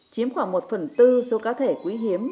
chiếm khoảng một phần tư số cá thể quý hiếm